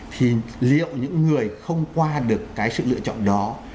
thì liệu những người không qua được cái sự lựa chọn đó